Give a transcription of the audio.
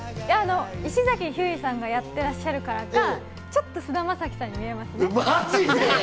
石崎ひゅーいさんがやってらっしゃるからか、ちょっと菅田将暉さんに見えますね。